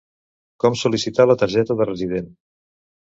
Com sol·licitar la targeta de resident.